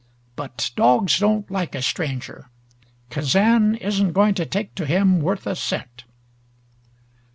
But dogs don't like a stranger. Kazan isn't going to take to him worth a cent!"